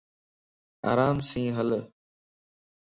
آرام سين ھل